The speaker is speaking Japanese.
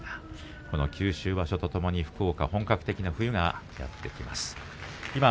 この九州場所とともに福岡本格的な冬がやってきます。